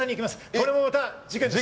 これもまた事件です。